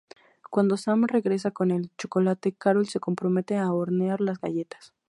Cuando Sam regresa con el chocolate, Carol se compromete a hornear las galletas.